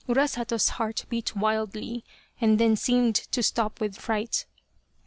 Urasato's heart beat wildly and then seemed to stop with fright.